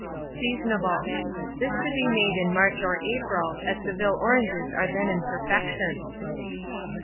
Seasonable. This should be made in March or April, as Seville oranges are then in perfection.